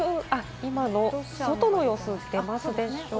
今の外の様子が出ますでしょうか？